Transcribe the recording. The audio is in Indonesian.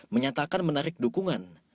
menyatakan menarik dukungan